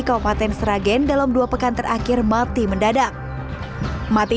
kompetensi ragin dalam dua pekan terakhir mati mendadak matinya